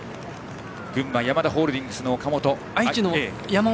群馬ヤマダホールディングスの岡本。